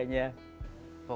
pokoknya kalau sepatu udah buang